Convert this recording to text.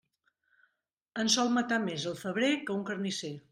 En sol matar més el febrer que un carnisser.